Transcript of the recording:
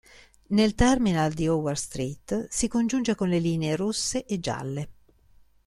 Nel terminal di Howard Street si congiunge con le linee rosse e gialle.